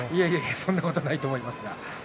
そんなことないと思いますが。